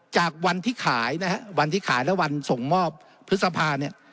จากวันที่ขายนะฮะวันที่ขายและวันส่งมอบพฤษภาเนี่ย